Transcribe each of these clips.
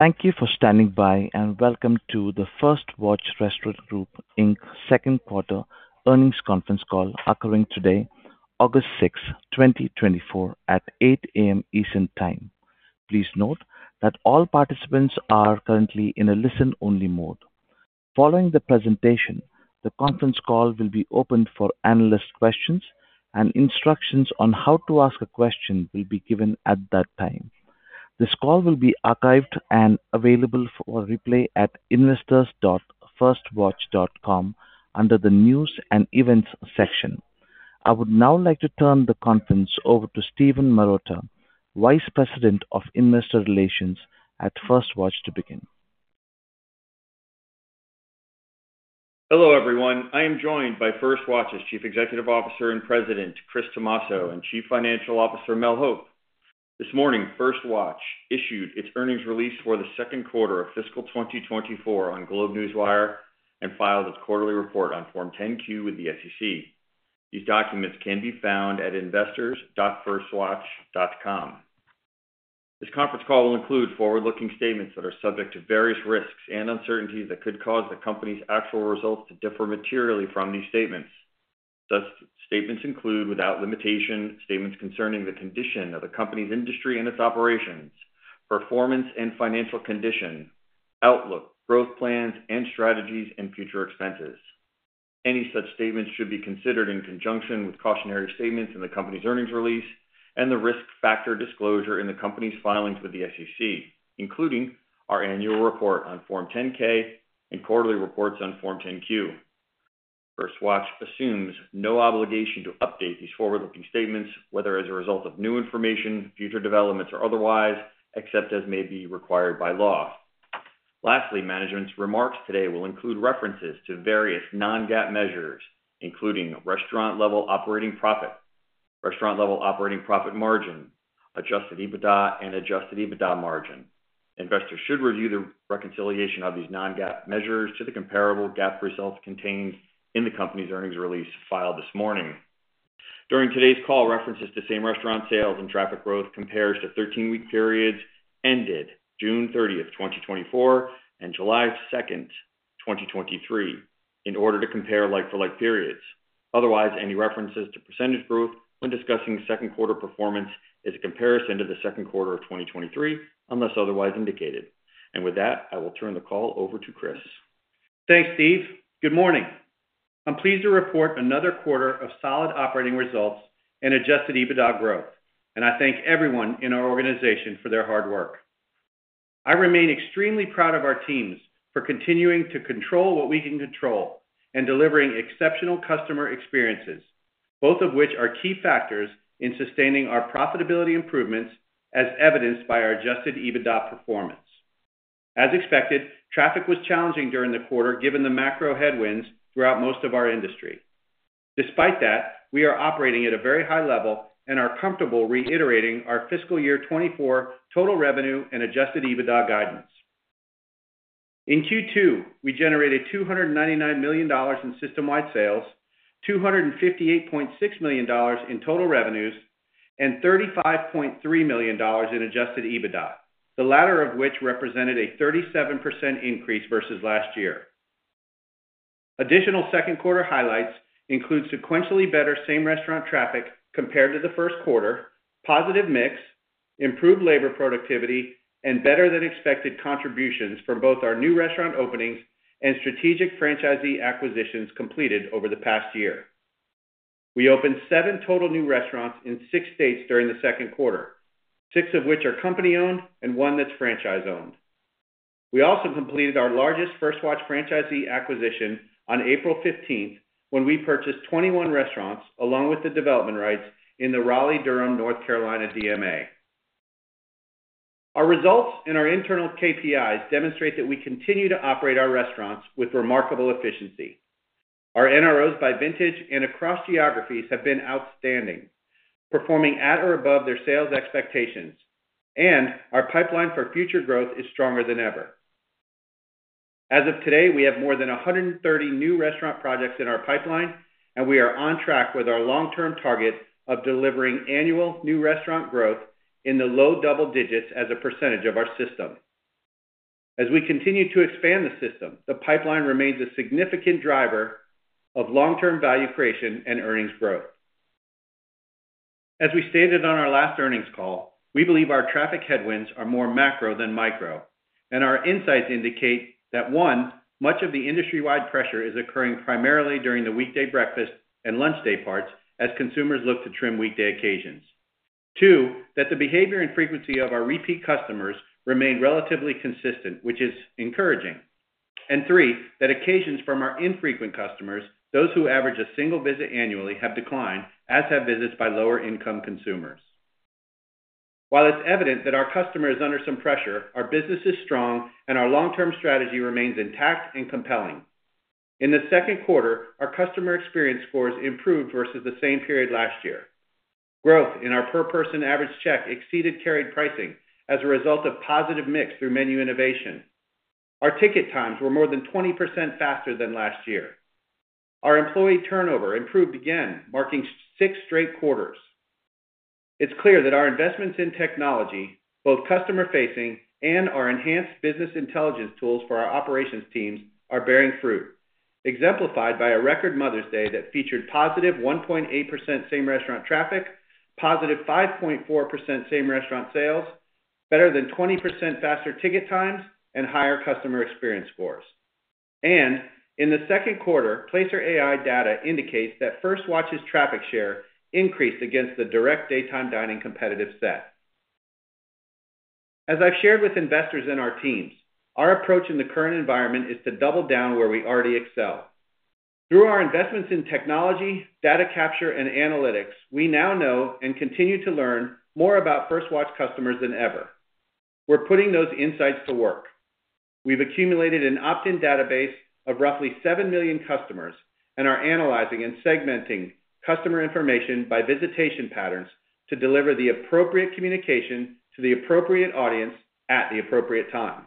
Thank you for standing by, and welcome to the First Watch Restaurant Group, Inc. second quarter earnings conference call occurring today, August 6, 2024, at 8:00 A.M. Eastern Time. Please note that all participants are currently in a listen-only mode. Following the presentation, the conference call will be opened for analyst questions and instructions on how to ask a question will be given at that time. This call will be archived and available for replay at investors.firstwatch.com under the News and Events section. I would now like to turn the conference over to Steven Marotta, Vice President of Investor Relations at First Watch, to begin. Hello, everyone. I am joined by First Watch's Chief Executive Officer and President, Chris Tomasso, and Chief Financial Officer, Mel Hope. This morning, First Watch issued its earnings release for the second quarter of fiscal 2024 on GlobeNewswire and filed its quarterly report on Form 10-Q with the SEC. These documents can be found at investors.firstwatch.com. This conference call will include forward-looking statements that are subject to various risks and uncertainties that could cause the company's actual results to differ materially from these statements. Such statements include, without limitation, statements concerning the condition of the company's industry and its operations, performance and financial condition, outlook, growth plans and strategies, and future expenses. Any such statements should be considered in conjunction with cautionary statements in the company's earnings release and the risk factor disclosure in the company's filings with the SEC, including our annual report on Form 10-K and quarterly reports on Form 10-Q. First Watch assumes no obligation to update these forward-looking statements, whether as a result of new information, future developments, or otherwise, except as may be required by law. Lastly, management's remarks today will include references to various non-GAAP measures, including restaurant-level operating profit, restaurant-level operating profit margin, Adjusted EBITDA, and Adjusted EBITDA margin. Investors should review the reconciliation of these non-GAAP measures to the comparable GAAP results contained in the company's earnings release filed this morning. During today's call, references to same-restaurant sales and traffic growth compares to 13-week periods ended June 30, 2024, and July 2, 2023, in order to compare like-for-like periods. Otherwise, any references to percentage growth when discussing second quarter performance is a comparison to the second quarter of 2023, unless otherwise indicated. With that, I will turn the call over to Chris. Thanks, Steve. Good morning. I'm pleased to report another quarter of solid operating results and Adjusted EBITDA growth, and I thank everyone in our organization for their hard work. I remain extremely proud of our teams for continuing to control what we can control and delivering exceptional customer experiences, both of which are key factors in sustaining our profitability improvements, as evidenced by our Adjusted EBITDA performance. As expected, traffic was challenging during the quarter, given the macro headwinds throughout most of our industry. Despite that, we are operating at a very high level and are comfortable reiterating our fiscal year 2024 total revenue and Adjusted EBITDA guidance. In Q2, we generated $299 million in system-wide sales, $258.6 million in total revenues, and $35.3 million in adjusted EBITDA, the latter of which represented a 37% increase versus last year. Additional second quarter highlights include sequentially better same-restaurant traffic compared to the first quarter, positive mix, improved labor productivity, and better than expected contributions from both our new restaurant openings and strategic franchisee acquisitions completed over the past year. We opened seven total new restaurants in six states during the second quarter, six of which are company-owned and one that's franchise-owned. We also completed our largest First Watch franchisee acquisition on April 15th, when we purchased 21 restaurants, along with the development rights in the Raleigh-Durham, North Carolina, DMA. Our results and our internal KPIs demonstrate that we continue to operate our restaurants with remarkable efficiency. Our NROs by vintage and across geographies have been outstanding, performing at or above their sales expectations, and our pipeline for future growth is stronger than ever. As of today, we have more than 130 new restaurant projects in our pipeline, and we are on track with our long-term target of delivering annual new restaurant growth in the low double digits as a percentage of our system. As we continue to expand the system, the pipeline remains a significant driver of long-term value creation and earnings growth. As we stated on our last earnings call, we believe our traffic headwinds are more macro than micro, and our insights indicate that, one, much of the industry-wide pressure is occurring primarily during the weekday breakfast and lunch dayparts as consumers look to trim weekday occasions. Two, that the behavior and frequency of our repeat customers remain relatively consistent, which is encouraging. And three, that occasions from our infrequent customers, those who average a single visit annually, have declined, as have visits by lower-income consumers. While it's evident that our customer is under some pressure, our business is strong and our long-term strategy remains intact and compelling. In the second quarter, our customer experience scores improved versus the same period last year. Growth in our per person average check exceeded carried pricing as a result of positive mix through menu innovation. Our ticket times were more than 20% faster than last year. Our employee turnover improved again, marking six straight quarters.... It's clear that our investments in technology, both customer-facing and our enhanced business intelligence tools for our operations teams, are bearing fruit, exemplified by a record Mother's Day that featured positive 1.8% same-restaurant traffic, positive 5.4% same-restaurant sales, better than 20% faster ticket times, and higher customer experience scores. And in the second quarter, Placer.ai data indicates that First Watch's traffic share increased against the direct daytime dining competitive set. As I've shared with investors and our teams, our approach in the current environment is to double down where we already excel. Through our investments in technology, data capture, and analytics, we now know and continue to learn more about First Watch customers than ever. We're putting those insights to work. We've accumulated an opt-in database of roughly seven million customers and are analyzing and segmenting customer information by visitation patterns to deliver the appropriate communication to the appropriate audience at the appropriate time.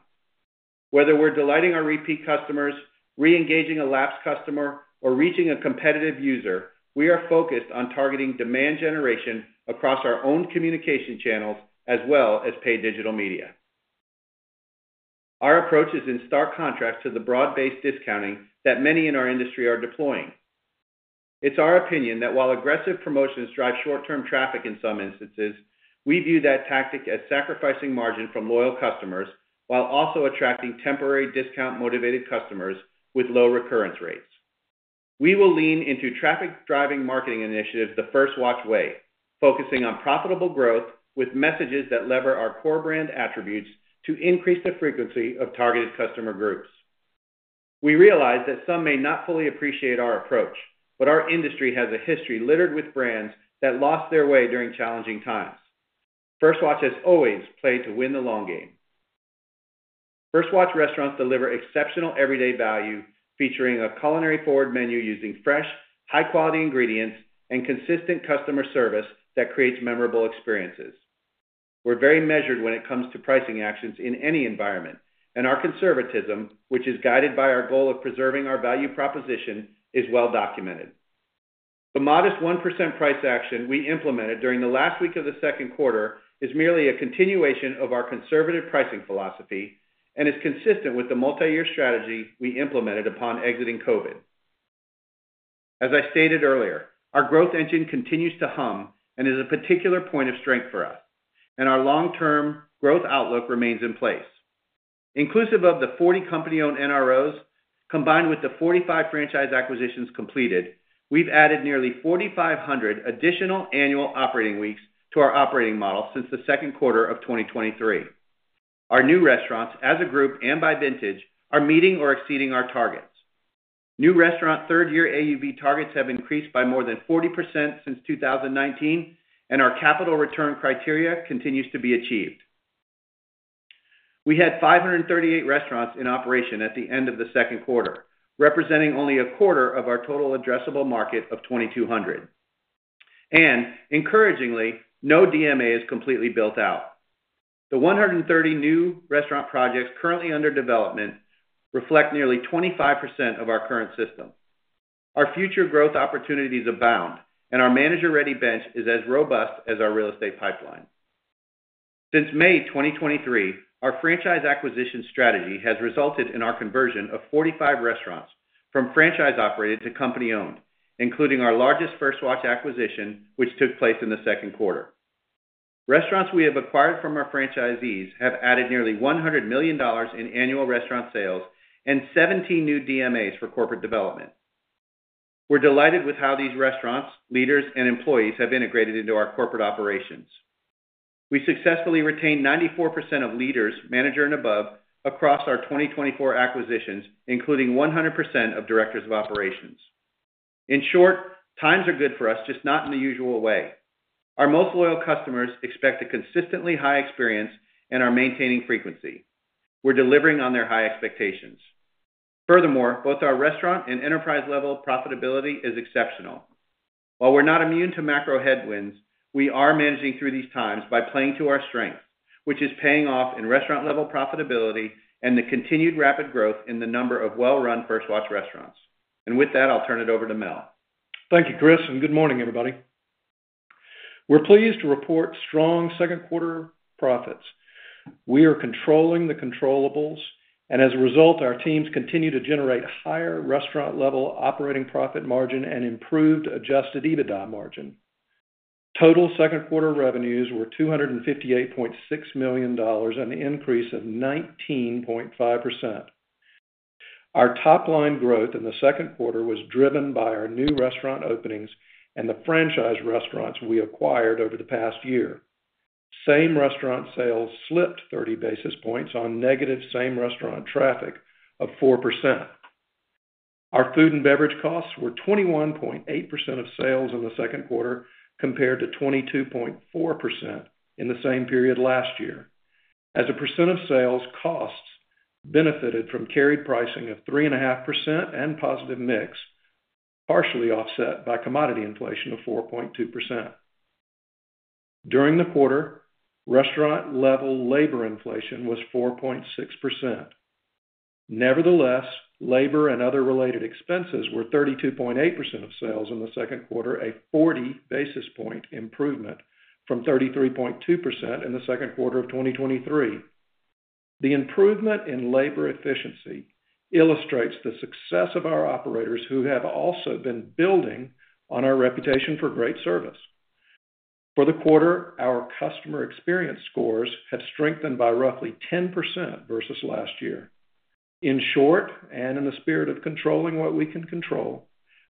Whether we're delighting our repeat customers, reengaging a lapsed customer, or reaching a competitive user, we are focused on targeting demand generation across our own communication channels as well as paid digital media. Our approach is in stark contrast to the broad-based discounting that many in our industry are deploying. It's our opinion that while aggressive promotions drive short-term traffic in some instances, we view that tactic as sacrificing margin from loyal customers, while also attracting temporary discount-motivated customers with low recurrence rates. We will lean into traffic-driving marketing initiatives the First Watch way, focusing on profitable growth with messages that lever our core brand attributes to increase the frequency of targeted customer groups. We realize that some may not fully appreciate our approach, but our industry has a history littered with brands that lost their way during challenging times. First Watch has always played to win the long game. First Watch restaurants deliver exceptional everyday value, featuring a culinary-forward menu using fresh, high-quality ingredients and consistent customer service that creates memorable experiences. We're very measured when it comes to pricing actions in any environment, and our conservatism, which is guided by our goal of preserving our value proposition, is well documented. The modest 1% price action we implemented during the last week of the second quarter is merely a continuation of our conservative pricing philosophy and is consistent with the multi-year strategy we implemented upon exiting COVID. As I stated earlier, our growth engine continues to hum and is a particular point of strength for us, and our long-term growth outlook remains in place. Inclusive of the 40 company-owned NROs, combined with the 45 franchise acquisitions completed, we've added nearly 4,500 additional annual operating weeks to our operating model since the second quarter of 2023. Our new restaurants, as a group and by vintage, are meeting or exceeding our targets. New restaurant third-year AUV targets have increased by more than 40% since 2019, and our capital return criteria continues to be achieved. We had 538 restaurants in operation at the end of the second quarter, representing only a quarter of our total addressable market of 2,200. And encouragingly, no DMA is completely built out. The 130 new restaurant projects currently under development reflect nearly 25% of our current system. Our future growth opportunities abound, and our manager-ready bench is as robust as our real estate pipeline. Since May 2023, our franchise acquisition strategy has resulted in our conversion of 45 restaurants from franchise-operated to company-owned, including our largest First Watch acquisition, which took place in the second quarter. Restaurants we have acquired from our franchisees have added nearly $100 million in annual restaurant sales and 17 new DMAs for corporate development. We're delighted with how these restaurants, leaders, and employees have integrated into our corporate operations. We successfully retained 94% of leaders, manager and above, across our 2024 acquisitions, including 100% of directors of operations. In short, times are good for us, just not in the usual way. Our most loyal customers expect a consistently high experience and are maintaining frequency. We're delivering on their high expectations. Furthermore, both our restaurant and enterprise-level profitability is exceptional. While we're not immune to macro headwinds, we are managing through these times by playing to our strength, which is paying off in restaurant-level profitability and the continued rapid growth in the number of well-run First Watch restaurants. With that, I'll turn it over to Mel. Thank you, Chris, and good morning, everybody. We're pleased to report strong second quarter profits. We are controlling the controllables, and as a result, our teams continue to generate higher restaurant-level operating profit margin and improved Adjusted EBITDA margin. Total second quarter revenues were $258.6 million, an increase of 19.5%. Our top line growth in the second quarter was driven by our new restaurant openings and the franchise restaurants we acquired over the past year. Same-restaurant sales slipped 30 basis points on negative same-restaurant traffic of 4%. Our food and beverage costs were 21.8% of sales in the second quarter, compared to 22.4% in the same period last year. As a percent of sales, costs benefited from carried pricing of 3.5% and positive mix, partially offset by commodity inflation of 4.2%. During the quarter, restaurant-level labor inflation was 4.6%.... Nevertheless, labor and other related expenses were 32.8% of sales in the second quarter, a 40 basis point improvement from 33.2% in the second quarter of 2023. The improvement in labor efficiency illustrates the success of our operators, who have also been building on our reputation for great service. For the quarter, our customer experience scores have strengthened by roughly 10% versus last year. In short, and in the spirit of controlling what we can control,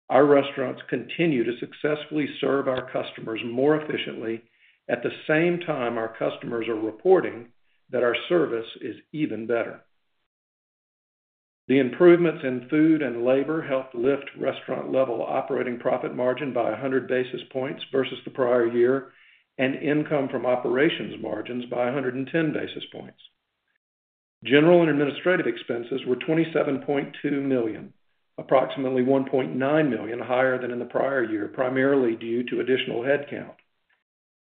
our restaurants continue to successfully serve our customers more efficiently. At the same time, our customers are reporting that our service is even better. The improvements in food and labor helped lift restaurant-level operating profit margin by 100 basis points versus the prior year, and income from operations margins by 110 basis points. General and administrative expenses were $27.2 million, approximately $1.9 million higher than in the prior year, primarily due to additional headcount.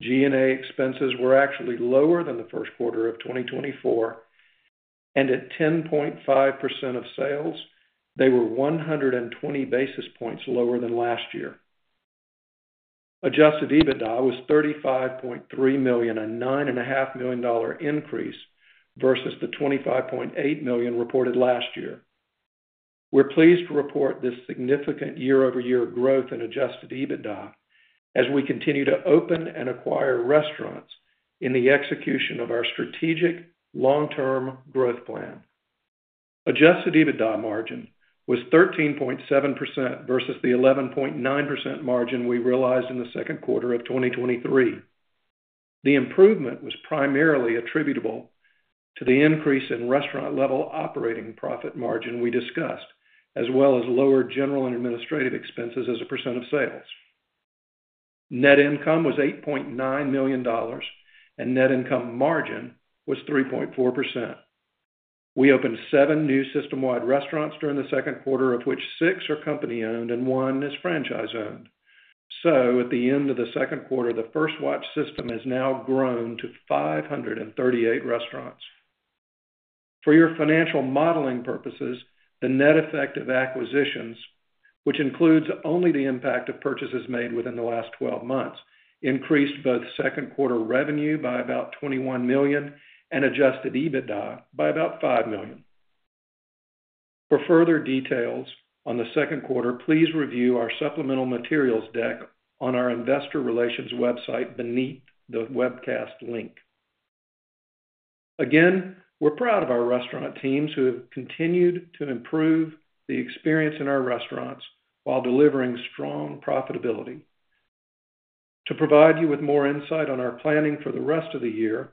G&A expenses were actually lower than the first quarter of 2024, and at 10.5% of sales, they were 120 basis points lower than last year. Adjusted EBITDA was $35.3 million, a $9.5 million increase versus the $25.8 million reported last year. We're pleased to report this significant year-over-year growth in Adjusted EBITDA as we continue to open and acquire restaurants in the execution of our strategic long-term growth plan. Adjusted EBITDA margin was 13.7% versus the 11.9% margin we realized in the second quarter of 2023. The improvement was primarily attributable to the increase in restaurant-level operating profit margin we discussed, as well as lower general and administrative expenses as a percent of sales. Net income was $8.9 million, and net income margin was 3.4%. We opened seven new system-wide restaurants during the second quarter, of which six are company-owned and one is franchise-owned. So at the end of the second quarter, the First Watch system has now grown to 538 restaurants. For your financial modeling purposes, the net effect of acquisitions, which includes only the impact of purchases made within the last 12 months, increased both second quarter revenue by about $21 million and adjusted EBITDA by about $5 million. For further details on the second quarter, please review our supplemental materials deck on our investor relations website beneath the webcast link. Again, we're proud of our restaurant teams who have continued to improve the experience in our restaurants while delivering strong profitability. To provide you with more insight on our planning for the rest of the year,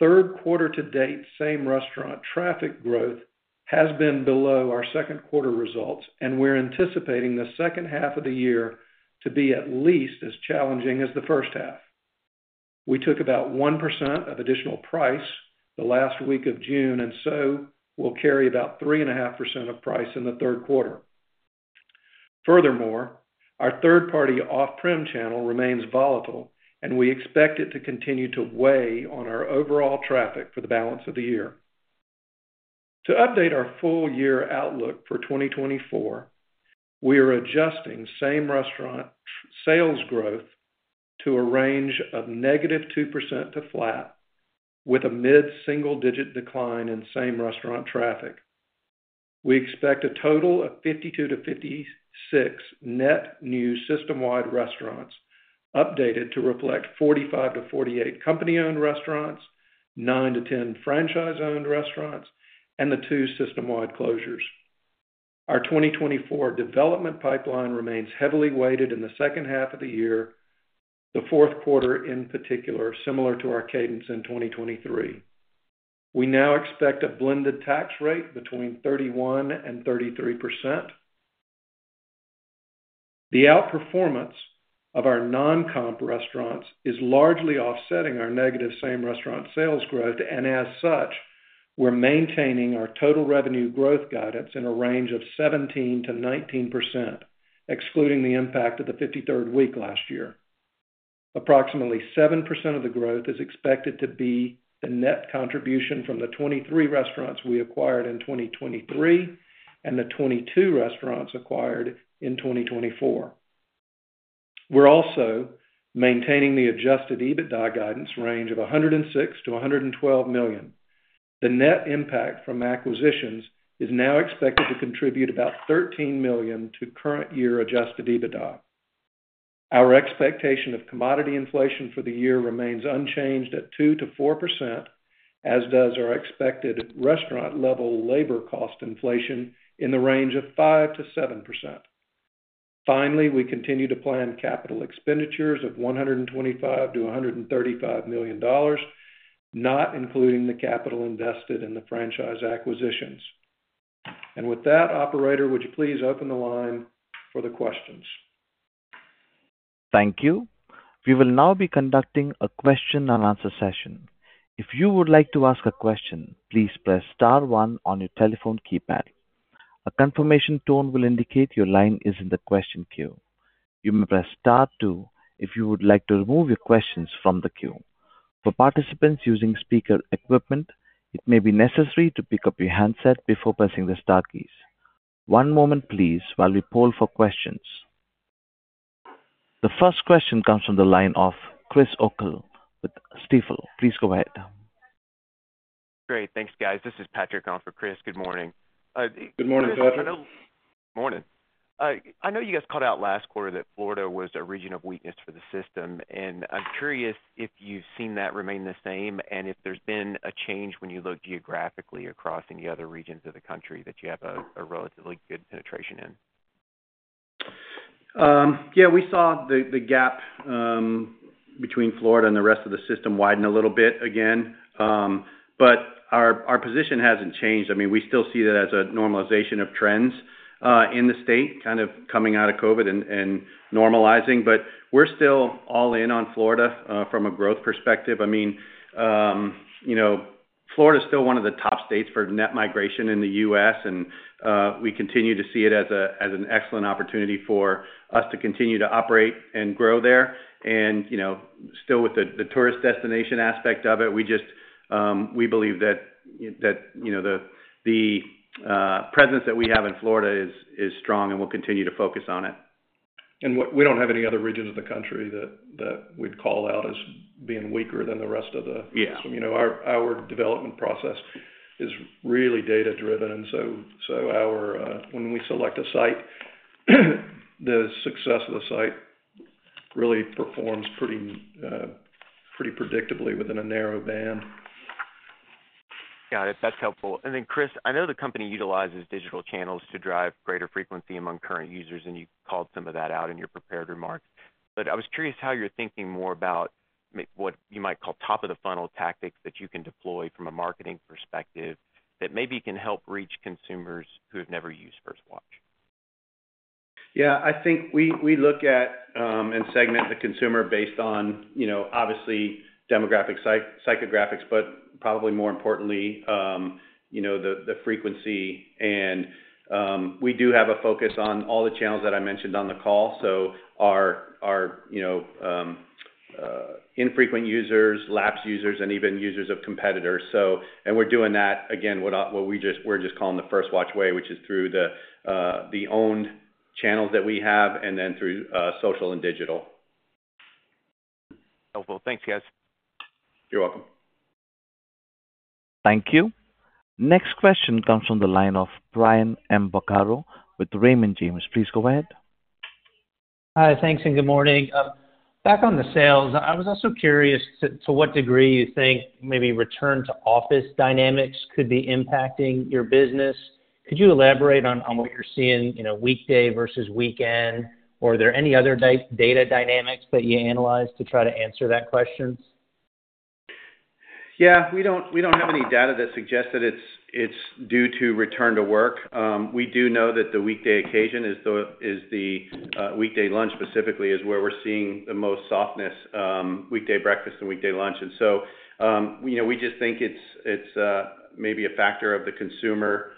third quarter to date, same restaurant traffic growth has been below our second quarter results, and we're anticipating the second half of the year to be at least as challenging as the first half. We took about 1% of additional price the last week of June, and so we'll carry about 3.5% of price in the third quarter. Furthermore, our third-party off-prem channel remains volatile, and we expect it to continue to weigh on our overall traffic for the balance of the year. To update our full year outlook for 2024, we are adjusting same restaurant sales growth to a range of -2% to flat, with a mid-single-digit decline in same restaurant traffic. We expect a total of 52-56 net new system-wide restaurants, updated to reflect 45-48 company-owned restaurants, nine to 10 franchise-owned restaurants, and the two system-wide closures. Our 2024 development pipeline remains heavily weighted in the second half of the year, the fourth quarter in particular, similar to our cadence in 2023. We now expect a blended tax rate between 31% and 33%. The outperformance of our non-comp restaurants is largely offsetting our negative same-restaurant sales growth, and as such, we're maintaining our total revenue growth guidance in a range of 17%-19%, excluding the impact of the 53rd week last year. Approximately 7% of the growth is expected to be the net contribution from the 23 restaurants we acquired in 2023 and the 22 restaurants acquired in 2024. We're also maintaining the Adjusted EBITDA guidance range of $106 million-$112 million. The net impact from acquisitions is now expected to contribute about $13 million to current year Adjusted EBITDA. Our expectation of commodity inflation for the year remains unchanged at 2%-4%, as does our expected restaurant-level labor cost inflation in the range of 5%-7%. Finally, we continue to plan capital expenditures of $125 million-$135 million, not including the capital invested in the franchise acquisitions. And with that, operator, would you please open the line for the questions? Thank you. We will now be conducting a question and answer session. If you would like to ask a question, please press star one on your telephone keypad. A confirmation tone will indicate your line is in the question queue. You may press star two if you would like to remove your questions from the queue. For participants using speaker equipment, it may be necessary to pick up your handset before pressing the star keys. One moment please, while we poll for questions. The first question comes from the line of Chris O'Cull with Stifel. Please go ahead. Great. Thanks, guys. This is Patrick on for Chris. Good morning. Good morning, Patrick. Morning. I know you guys called out last quarter that Florida was a region of weakness for the system, and I'm curious if you've seen that remain the same, and if there's been a change when you look geographically across any other regions of the country that you have a relatively good penetration in? Yeah, we saw the gap between Florida and the rest of the system widen a little bit again. But our position hasn't changed. I mean, we still see that as a normalization of trends in the state, kind of coming out of COVID and normalizing. But we're still all in on Florida from a growth perspective. I mean, you know, Florida is still one of the top states for net migration in the U.S., and we continue to see it as an excellent opportunity for us to continue to operate and grow there. And, you know, still with the tourist destination aspect of it, we just we believe that you know the presence that we have in Florida is strong, and we'll continue to focus on it. We don't have any other regions of the country that we'd call out as being weaker than the rest of the- Yeah. You know, our development process is really data-driven, and so when we select a site, the success of the site really performs pretty predictably within a narrow band. Got it. That's helpful. And then, Chris, I know the company utilizes digital channels to drive greater frequency among current users, and you called some of that out in your prepared remarks. But I was curious how you're thinking more about what you might call top of the funnel tactics that you can deploy from a marketing perspective, that maybe can help reach consumers who have never used First Watch. Yeah, I think we, we look at, and segment the consumer based on, you know, obviously demographic, psychographics, but probably more importantly, you know, the, the frequency and, we do have a focus on all the channels that I mentioned on the call. So our, our, you know, infrequent users, lapsed users, and even users of competitors. So, and we're doing that again, what we just, we're just calling the First Watch way, which is through the, the owned channels that we have, and then through, social and digital. Helpful. Thanks, guys. You're welcome. Thank you. Next question comes from the line of Brian M. Vaccaro with Raymond James. Please go ahead. Hi, thanks, and good morning. Back on the sales, I was also curious to what degree you think maybe return to office dynamics could be impacting your business. Could you elaborate on what you're seeing, you know, weekday versus weekend? Or are there any other data dynamics that you analyze to try to answer that question? Yeah, we don't have any data that suggests that it's due to return to work. We do know that the weekday occasion is the weekday lunch specifically, is where we're seeing the most softness, weekday breakfast and weekday lunch. And so, you know, we just think it's maybe a factor of the consumer,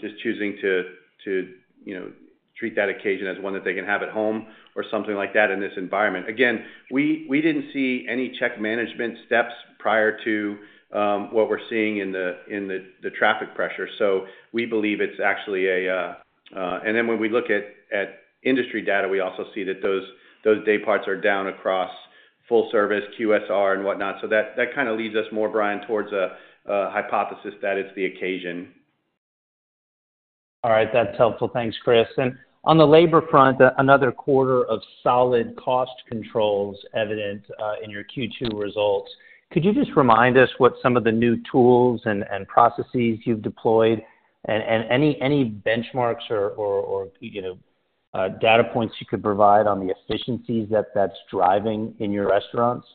just choosing to, you know, treat that occasion as one that they can have at home or something like that in this environment. Again, we didn't see any check management steps prior to what we're seeing in the traffic pressure. So we believe it's actually a... And then when we look at industry data, we also see that those dayparts are down across full service, QSR and whatnot. So that kind of leads us more, Brian, towards a hypothesis that it's the occasion. All right, that's helpful. Thanks, Chris. And on the labor front, another quarter of solid cost controls evident in your Q2 results. Could you just remind us what some of the new tools and processes you've deployed and any benchmarks or, you know, data points you could provide on the efficiencies that's driving in your restaurants?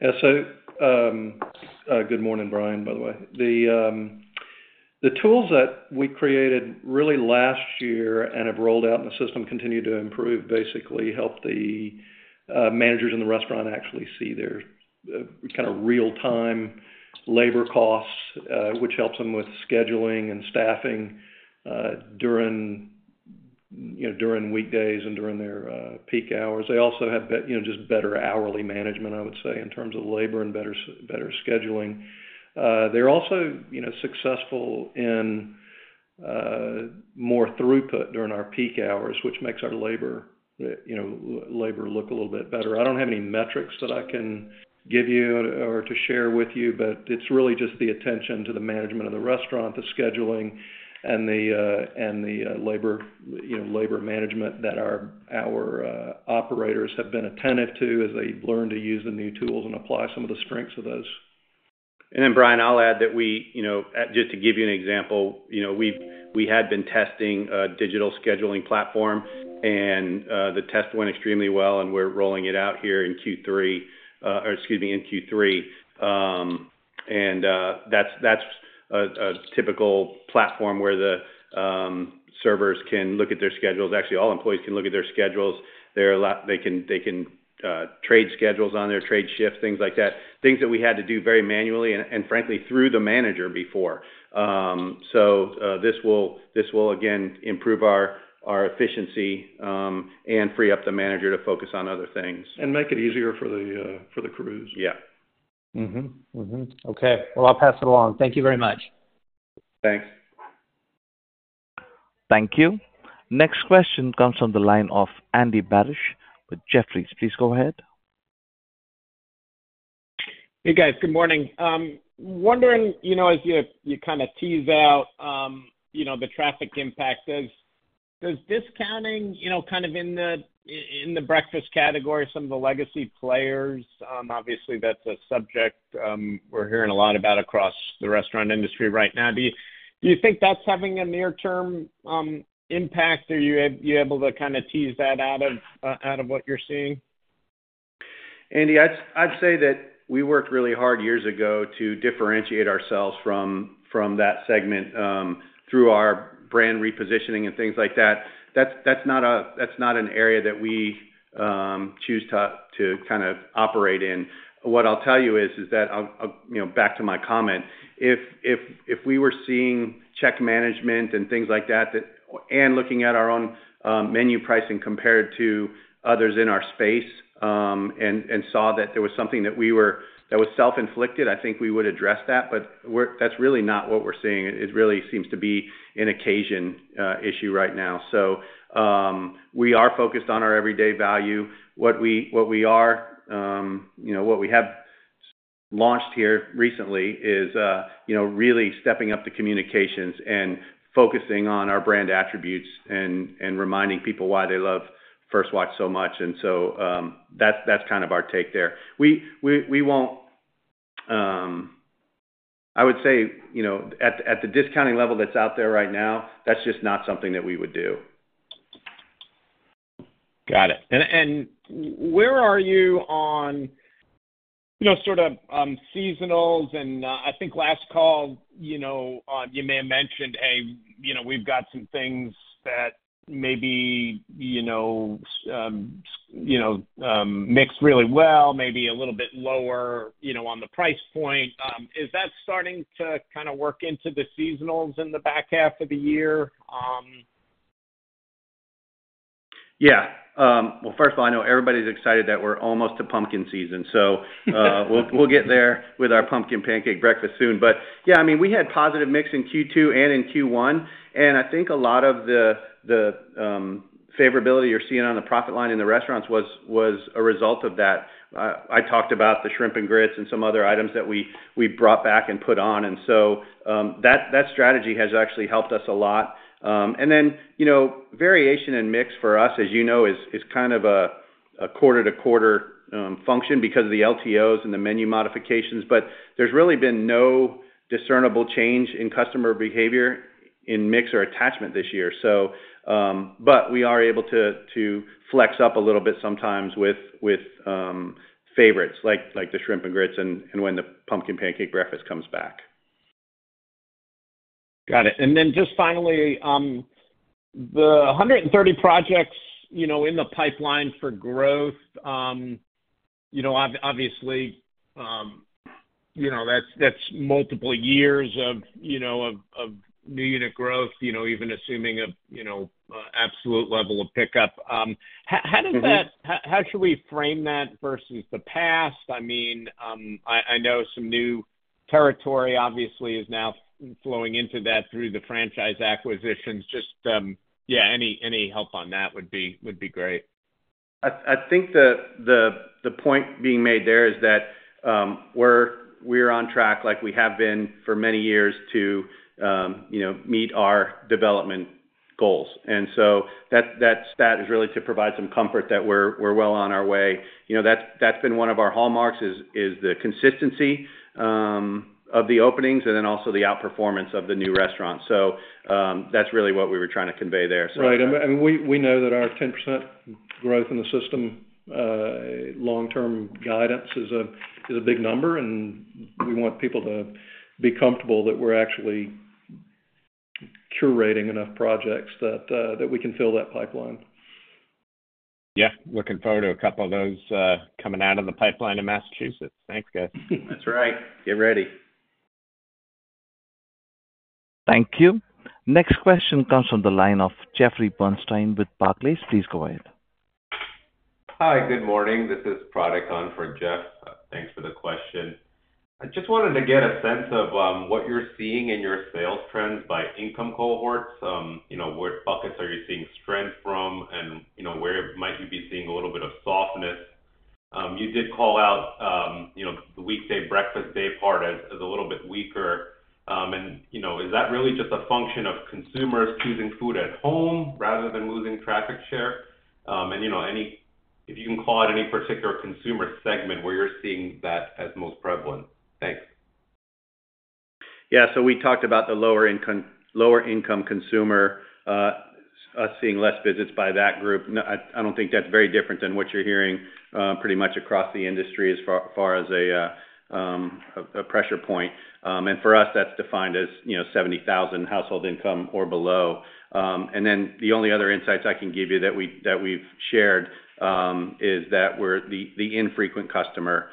Yeah. So, good morning, Brian, by the way. The tools that we created really last year and have rolled out in the system continue to improve. Basically, help the managers in the restaurant actually see their kind of real-time labor costs, which helps them with scheduling and staffing during, you know, during weekdays and during their peak hours. They also have you know, just better hourly management, I would say, in terms of labor and better scheduling. They're also, you know, successful in more throughput during our peak hours, which makes our labor, you know, labor look a little bit better. I don't have any metrics that I can give you or to share with you, but it's really just the attention to the management of the restaurant, the scheduling, and the labor, you know, labor management that our operators have been attentive to as they learn to use the new tools and apply some of the strengths of those. And then, Brian, I'll add that we... You know, just to give you an example, you know, we had been testing a digital scheduling platform, and the test went extremely well, and we're rolling it out here in Q3, or excuse me, in Q3. And that's a typical platform where the servers can look at their schedules. Actually, all employees can look at their schedules. There are a lot—they can, they can, trade schedules on there, trade shifts, things like that, things that we had to do very manually and frankly through the manager before. So this will again improve our efficiency and free up the manager to focus on other things. And make it easier for the crews. Yeah. Mm-hmm. Mm-hmm. Okay, well, I'll pass it along. Thank you very much. Thanks. Thank you. Next question comes from the line of Andy Barish with Jefferies. Please go ahead. Hey, guys. Good morning. Wondering, you know, as you kind of tease out the traffic impact, does discounting, you know, kind of in the breakfast category, some of the legacy players obviously that's a subject we're hearing a lot about across the restaurant industry right now. Do you think that's having a near-term impact? Are you able to kind of tease that out of what you're seeing? Andy, I'd say that we worked really hard years ago to differentiate ourselves from that segment through our brand repositioning and things like that. That's not an area that we choose to kind of operate in. What I'll tell you is that you know, back to my comment, if we were seeing check management and things like that and looking at our own menu pricing compared to others in our space and saw that there was something that we were that was self-inflicted, I think we would address that, but that's really not what we're seeing. It really seems to be an occasion issue right now. So, we are focused on our everyday value. What we are, you know, what we have launched here recently is, you know, really stepping up the communications and focusing on our brand attributes and reminding people why they love First Watch so much. So, that's kind of our take there. We won't... I would say, you know, at the discounting level that's out there right now, that's just not something that we would do. Got it. And where are you on, you know, sort of, seasonals and, I think last call, you know, you may have mentioned a, you know, we've got some things that maybe, you know, mix really well, maybe a little bit lower, you know, on the price point. Is that starting to kind of work into the seasonals in the back half of the year? Yeah. Well, first of all, I know everybody's excited that we're almost to pumpkin season, so we'll get there with our Pumpkin Pancake Breakfast soon. But yeah, I mean, we had positive mix in Q2 and in Q1, and I think a lot of the favorability you're seeing on the profit line in the restaurants was a result of that. I talked about the Shrimp & Grits and some other items that we brought back and put on. And so, that strategy has actually helped us a lot. And then, you know, variation in mix for us, as you know, is kind of a quarter-to-quarter function because of the LTOs and the menu modifications. But there's really been no discernible change in customer behavior in mix or attachment this year. But we are able to flex up a little bit sometimes with favorites, like the Shrimp & Grits and when the Pumpkin Pancake Breakfast comes back. Got it. And then just finally, the 130 projects, you know, in the pipeline for growth, you know, obviously, you know, that's multiple years of, you know, new unit growth, you know, even assuming a, you know, absolute level of pickup. How does that- Mm-hmm. How should we frame that versus the past? I mean, I know some new territory obviously is now flowing into that through the franchise acquisitions. Just yeah, any help on that would be great. I think the point being made there is that we're on track like we have been for many years, to you know, meet our development goals. And so that stat is really to provide some comfort that we're well on our way. You know, that's been one of our hallmarks is the consistency of the openings and then also the outperformance of the new restaurants. So, that's really what we were trying to convey there, so- Right. And we know that our 10% growth in the system long-term guidance is a big number, and we want people to be comfortable that we're actually curating enough projects that we can fill that pipeline. Yeah, looking forward to a couple of those, coming out of the pipeline in Massachusetts. Thanks, guys. That's right. Get ready. Thank you. Next question comes from the line of Jeffrey Bernstein with Barclays. Please go ahead. Hi, good morning. This is Pratik on for Jeff. Thanks for the question. I just wanted to get a sense of what you're seeing in your sales trends by income cohorts. You know, what buckets are you seeing strength from? And you know, where might you be seeing a little bit of softness? You did call out you know, the weekday breakfast daypart as a little bit weaker. And you know, is that really just a function of consumers choosing food at home rather than losing traffic share? And you know, if you can call out any particular consumer segment where you're seeing that as most prevalent. Thanks. Yeah, so we talked about the lower income, lower income consumer, us seeing less visits by that group. I don't think that's very different than what you're hearing, pretty much across the industry as far as a pressure point. And for us, that's defined as, you know, 70,000 household income or below. And then the only other insights I can give you that we, that we've shared, is that we're the infrequent customer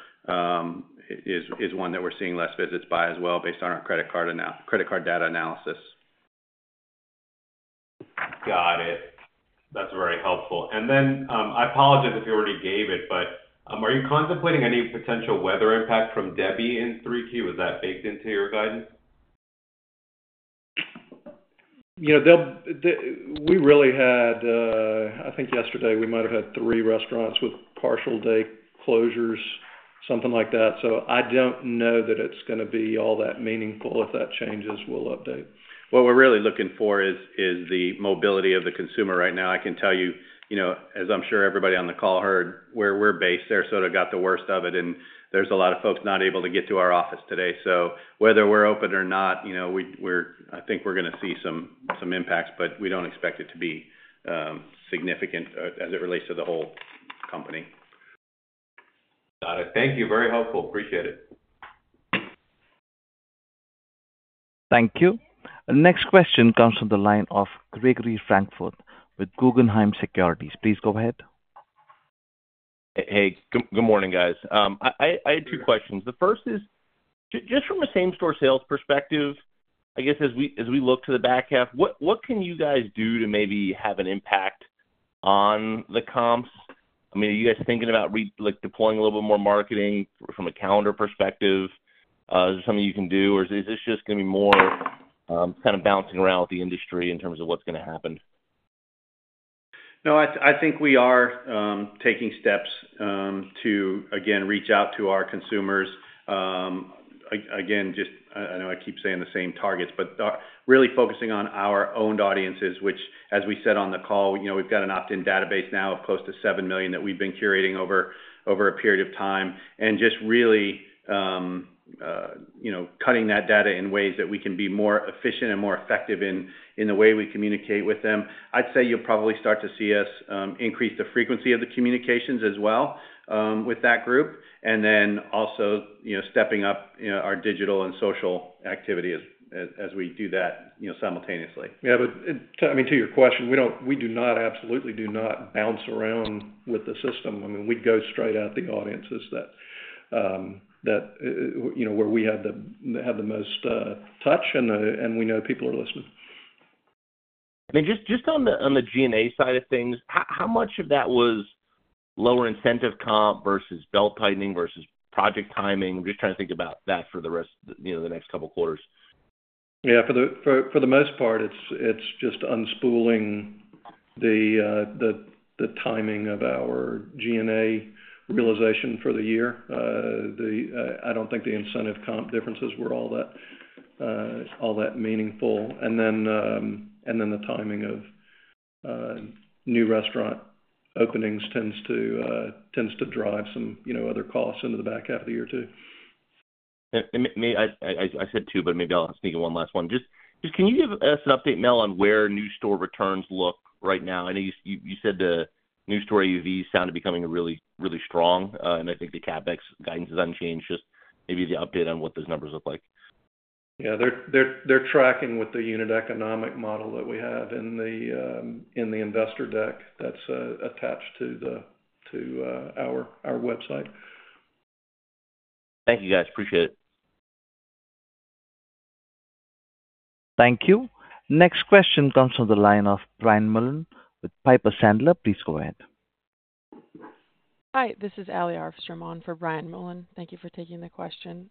is one that we're seeing less visits by as well, based on our credit card data analysis. Got it. That's very helpful. And then, I apologize if you already gave it, but, are you contemplating any potential weather impact from Debby in 3Q? Is that baked into your guidance? You know, we really had, I think yesterday, we might have had three restaurants with partial day closures, something like that. So I don't know that it's gonna be all that meaningful. If that changes, we'll update. What we're really looking for is the mobility of the consumer right now. I can tell you, you know, as I'm sure everybody on the call heard, where we're based there, sort of got the worst of it, and there's a lot of folks not able to get to our office today. So whether we're open or not, you know, we're gonna see some impacts, but we don't expect it to be significant, as it relates to the whole company. Got it. Thank you. Very helpful. Appreciate it. Thank you. The next question comes from the line of Gregory Francfort with Guggenheim Securities. Please go ahead. Hey, good, good morning, guys. I had two questions. The first is: just from a same-store sales perspective, I guess as we look to the back half, what can you guys do to maybe have an impact on the comps? I mean, are you guys thinking about like, deploying a little bit more marketing from a calendar perspective? Is there something you can do, or is this just gonna be more, kind of bouncing around with the industry in terms of what's gonna happen? No, I think we are taking steps to again reach out to our consumers. Again, just I know I keep saying the same targets, but really focusing on our owned audiences, which, as we said on the call, you know, we've got an opt-in database now of close to seven million that we've been curating over a period of time. And just really you know, cutting that data in ways that we can be more efficient and more effective in the way we communicate with them. I'd say you'll probably start to see us increase the frequency of the communications as well with that group, and then also you know, stepping up you know, our digital and social activity as we do that you know, simultaneously. Yeah, but I mean, to your question, we don't—we do not, absolutely do not bounce around with the system. I mean, we'd go straight at the audiences that, you know, where we have the most touch, and we know people are listening. I mean, just on the G&A side of things, how much of that was lower incentive comp versus belt-tightening versus project timing? I'm just trying to think about that for the rest, you know, the next couple of quarters. Yeah, for the most part, it's just unspooling the timing of our G&A realization for the year. I don't think the incentive comp differences were all that meaningful. And then the timing of new restaurant openings tends to drive some, you know, other costs into the back half of the year, too. I said two, but maybe I'll sneak in one last one. Just, can you give us an update now on where new store returns look right now? I know you said the new store AUV sounded becoming really, really strong, and I think the CapEx guidance is unchanged. Just maybe give you an update on what those numbers look like. Yeah, they're tracking with the unit economic model that we have in the investor deck that's attached to our website. Thank you, guys. Appreciate it. Thank you. Next question comes from the line of Brian Mullan with Piper Sandler. Please go ahead. Hi, this is Allie Arfstrom on for Brian Mullan. Thank you for taking the question.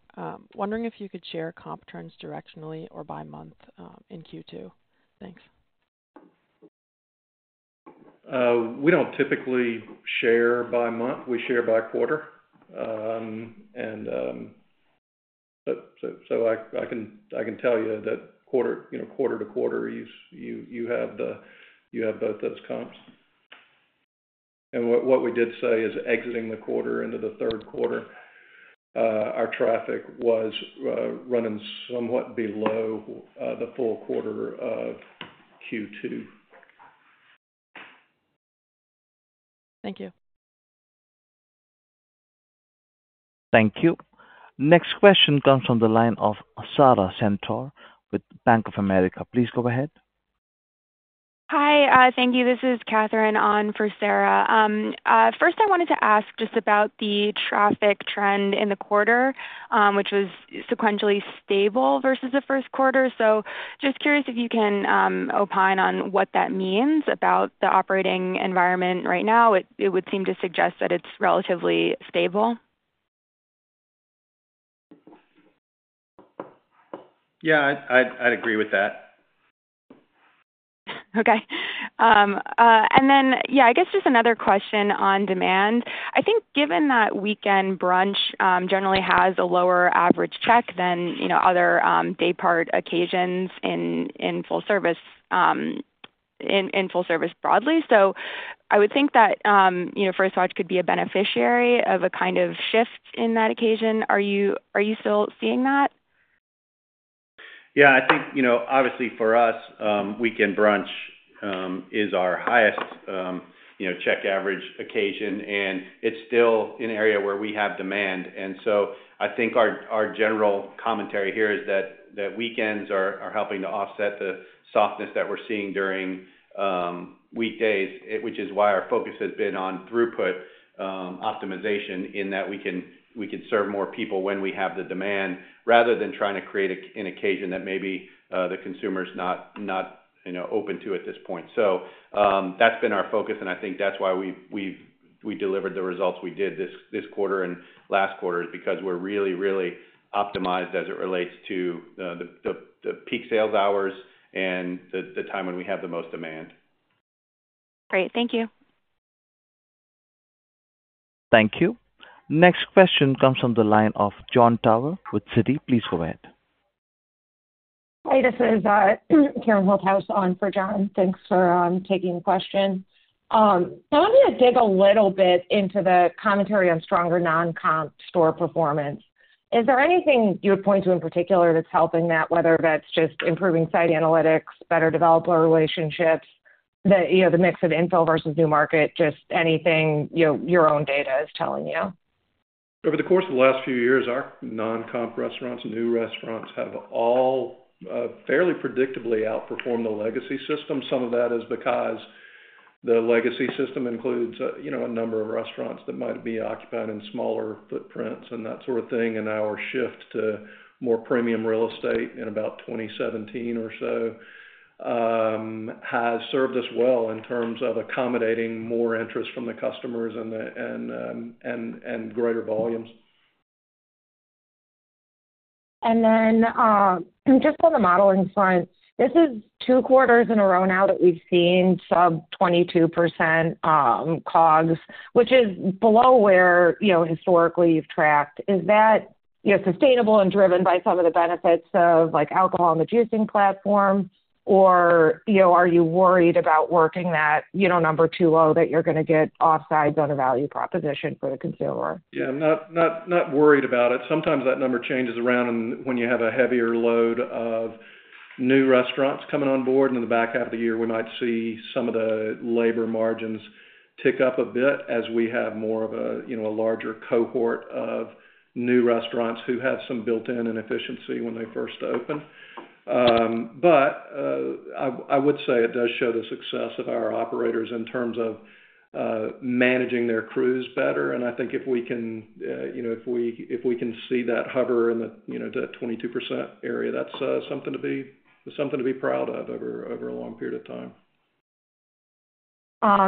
Wondering if you could share comp trends directionally or by month, in Q2. Thanks. We don't typically share by month. We share by quarter. So, I can tell you that quarter, you know, quarter to quarter, you have both those comps. And what we did say is exiting the quarter into the third quarter, our traffic was running somewhat below the full quarter of Q2. Thank you. Thank you. Next question comes from the line of Sara Senatore with Bank of America. Please go ahead. Hi, thank you. This is Catherine on for Sarah. First, I wanted to ask just about the traffic trend in the quarter, which was sequentially stable versus the first quarter. So just curious if you can opine on what that means about the operating environment right now. It, it would seem to suggest that it's relatively stable. Yeah, I'd agree with that. Okay. And then, yeah, I guess just another question on demand. I think given that weekend brunch generally has a lower average check than, you know, other daypart occasions in full service broadly. So I would think that, you know, First Watch could be a beneficiary of a kind of shift in that occasion. Are you still seeing that?... Yeah, I think, you know, obviously, for us, weekend brunch is our highest, you know, check average occasion, and it's still an area where we have demand. I think our general commentary here is that weekends are helping to offset the softness that we're seeing during weekdays, which is why our focus has been on throughput optimization, in that we can serve more people when we have the demand, rather than trying to create an occasion that maybe the consumer's not, you know, open to at this point. So that's been our focus, and I think that's why we've delivered the results we did this quarter and last quarter, is because we're really optimized as it relates to the peak sales hours and the time when we have the most demand. Great. Thank you. Thank you. Next question comes from the line of Jon Tower with Citi. Please go ahead. Hi, this is Karen Holthouse on for John. Thanks for taking the question. So I want to dig a little bit into the commentary on stronger non-comp store performance. Is there anything you would point to in particular that's helping that, whether that's just improving site analytics, better developer relationships, the, you know, the mix of in-fill versus new market, just anything, you know, your own data is telling you? Over the course of the last few years, our non-comp restaurants and new restaurants have all fairly predictably outperformed the legacy system. Some of that is because the legacy system includes, you know, a number of restaurants that might be occupied in smaller footprints and that sort of thing, and our shift to more premium real estate in about 2017 or so has served us well in terms of accommodating more interest from the customers and greater volumes. Then, just on the modeling front, this is two quarters in a row now that we've seen sub 22% COGS, which is below where, you know, historically you've tracked. Is that, you know, sustainable and driven by some of the benefits of, like, alcohol and the juicing platform? Or, you know, are you worried about working that, you know, number too low, that you're gonna get offsides on a value proposition for the consumer? Yeah, I'm not, not, not worried about it. Sometimes that number changes around when you have a heavier load of new restaurants coming on board, and in the back half of the year, we might see some of the labor margins tick up a bit as we have more of a, you know, a larger cohort of new restaurants who have some built-in inefficiency when they first open. But I would say it does show the success of our operators in terms of managing their crews better, and I think if we can, you know, if we can see that hover in the, you know, that 22% area, that's something to be, something to be proud of over a long period of time.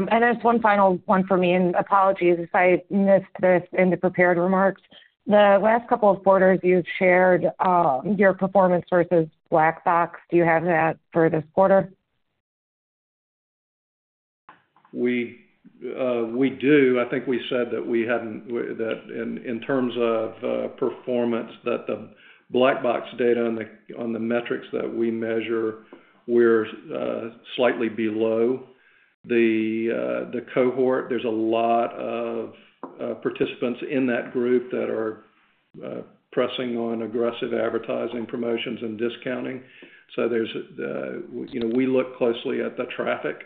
There's one final one for me, and apologies if I missed this in the prepared remarks. The last couple of quarters you've shared your performance versus Black Box. Do you have that for this quarter? We do. I think we said that we hadn't that in terms of performance, that the Black Box data on the metrics that we measure, we're slightly below the cohort. There's a lot of participants in that group that are pressing on aggressive advertising, promotions, and discounting. So there's you know, we look closely at the traffic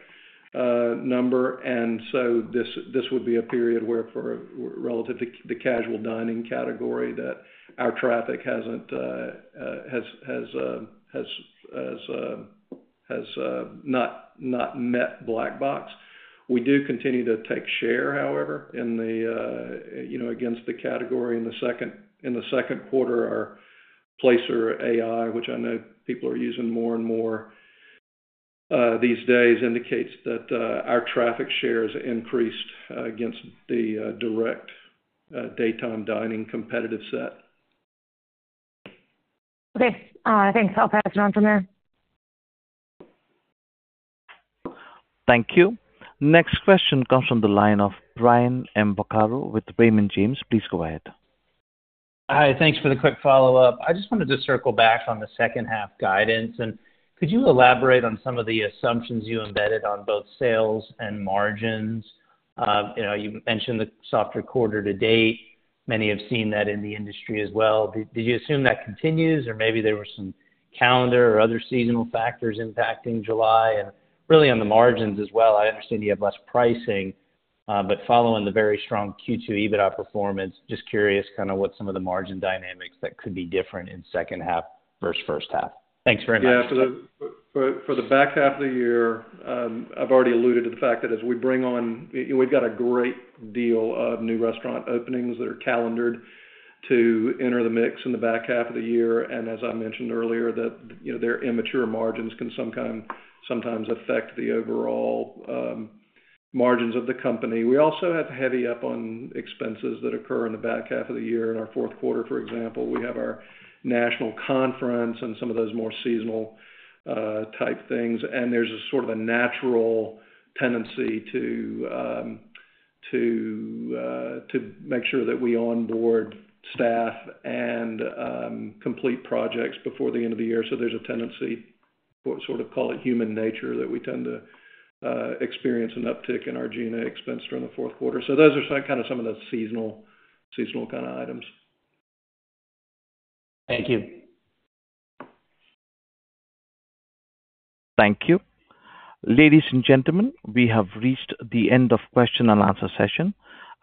number, and so this would be a period where for relative to the casual dining category, that our traffic has not met Black Box. We do continue to take share, however, in you know, against the category in the second quarter. Our Placer.ai, which I know people are using more and more these days, indicates that our traffic shares increased against the direct daytime dining competitive set. Okay. Thanks. I'll pass it on from there. Thank you. Next question comes from the line of Brian M. Vaccaro with Raymond James. Please go ahead. Hi, thanks for the quick follow-up. I just wanted to circle back on the second half guidance, and could you elaborate on some of the assumptions you embedded on both sales and margins? You know, you've mentioned the softer quarter to date. Many have seen that in the industry as well. Did you assume that continues, or maybe there were some calendar or other seasonal factors impacting July? And really on the margins as well, I understand you have less pricing, but following the very strong Q2 EBITDA performance, just curious kind of what some of the margin dynamics that could be different in second half versus first half. Thanks very much. Yeah. For the back half of the year, I've already alluded to the fact that as we bring on... We've got a great deal of new restaurant openings that are calendared to enter the mix in the back half of the year, and as I mentioned earlier, that, you know, their immature margins can sometimes affect the overall margins of the company. We also have to heavy up on expenses that occur in the back half of the year. In our fourth quarter, for example, we have our national conference and some of those more seasonal type things, and there's a sort of a natural tendency to make sure that we onboard staff and complete projects before the end of the year. So there's a tendency, or sort of call it human nature, that we tend to experience an uptick in our G&A expense during the fourth quarter. So those are kind of some of the seasonal, seasonal kind of items. Thank you. Thank you. Ladies and gentlemen, we have reached the end of question and answer session.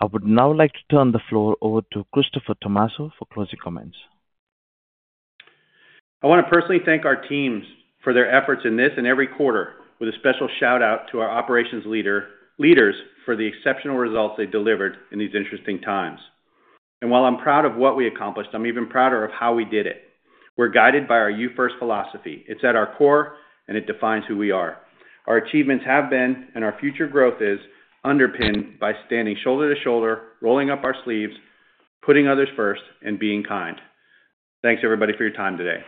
I would now like to turn the floor over to Christopher Tomasso for closing comments. I want to personally thank our teams for their efforts in this and every quarter, with a special shout-out to our operations leaders for the exceptional results they delivered in these interesting times. While I'm proud of what we accomplished, I'm even prouder of how we did it. We're guided by our You First philosophy. It's at our core, and it defines who we are. Our achievements have been, and our future growth is, underpinned by standing shoulder to shoulder, rolling up our sleeves, putting others first, and being kind. Thanks, everybody, for your time today.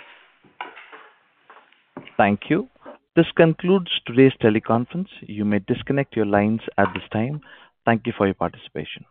Thank you. This concludes today's teleconference. You may disconnect your lines at this time. Thank you for your participation.